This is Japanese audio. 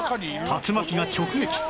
竜巻が直撃